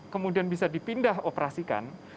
kemudian bisa dipindah operasikan